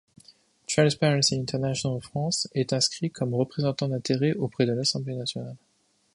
Transparency International France est inscrit comme représentant d'intérêts auprès de l'Assemblée nationale.